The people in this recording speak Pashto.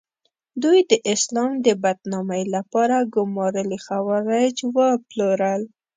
دوی د اسلام د بدنامۍ لپاره ګومارلي خوارج وپلورل.